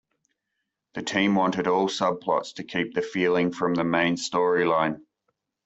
The team wanted all subplots to keep the feeling from the main storyline.